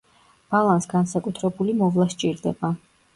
ბალანს განსაკუთრებული მოვლა სჭირდება.